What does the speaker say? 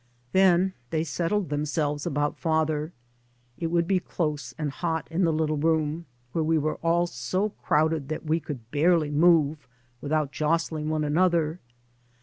Then they settled themselves about father. It would be close and hot in the little room, where we were all so crowded that we could barely move without jostling one another.